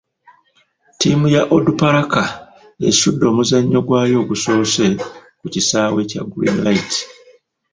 Ttiimu ya Onduparaka esudde omuzannyo gwayo ogusoose ku kisaawe kya Green Light.